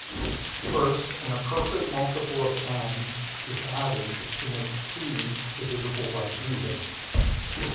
First an appropriate multiple of "N" is added to make "T" divisible by "B".